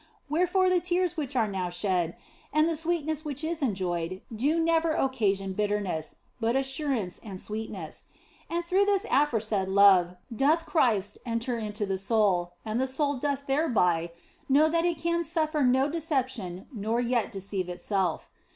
Wherefore the tears which are now shed and the sweetness which is enjoyed do never occasion bitterness, but assurance and sweetness ; and through this aforesaid love doth Christ enter into the soul, and the soul OF FOLIGNO 33 doth thereby know that it can suffer no deception nor yet deceive itself.